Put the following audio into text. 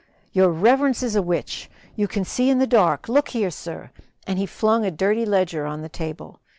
"Your reverence is a witch you can see in the dark look here, sir!" and he flung a dirty ledger on the table.